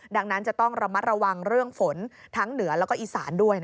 ดังนั้นจะต้องระมัดระวังเรื่องฝนทั้งเหนือแล้วก็อีสานด้วย